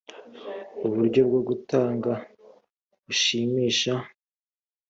uburyo bwo gutanga bushimisha